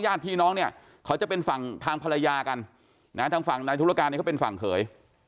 ญาติพี่น้องเนี่ยเขาจะเป็นฝั่งทางภรรยากันนะทางฝั่งนายธุรการเนี่ยเขาเป็นฝั่งเขย